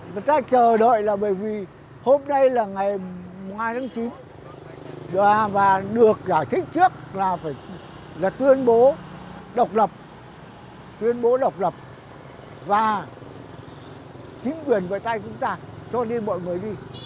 người ta chờ đợi là bởi vì hôm nay là ngày hai tháng chín và được giải thích trước là phải là tuyên bố độc lập tuyên bố độc lập và chính quyền với tay chúng ta cho nên mọi người đi